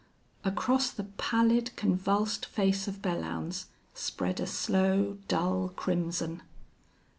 Across the pallid, convulsed face of Belllounds spread a slow, dull crimson.